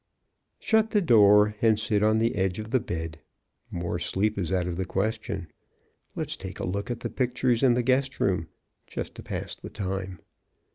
Shut the door and sit on the edge of the bed. More sleep is out of the question. Let's take a look at the pictures in the guest room, just to pass the time.